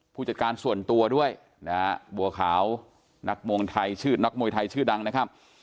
ผู้จัดการส่วนตัวด้วยบัวขาวนักโมยไทยชื่อดังนะครับ